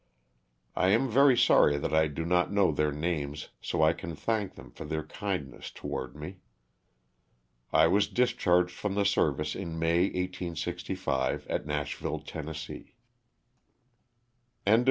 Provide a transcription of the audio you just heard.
I am very sorry that I do not know their names so I can thank them for their kindness toward me. I was discharged from the service in May, 1865, at Nashville, Tenn. ISAAC VAN NUYS.